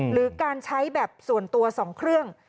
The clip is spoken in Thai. หรือการใช้แบบส่วนตัว๒เครื่อง